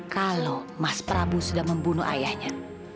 kalau mas prabu sudah membunuh ayahnya